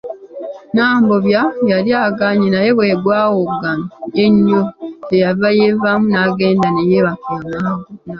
Nambobya yali agaanyi naye bwegwawoggana ennyo kyeyava yeevaamu n’agenda ne yeebaka nagwo.